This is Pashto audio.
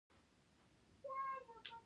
د افغانستان د بې عزتۍ له کارو باید وګرزول شي.